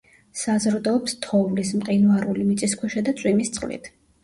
საზრდოობს თოვლის, მყინვარული, მიწისქვეშა და წვიმის წყლით.